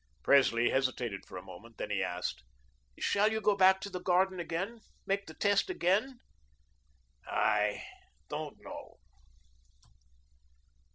Presley hesitated for a moment, then he asked: "Shall you go back to the garden again? Make the test again?" "I don't know."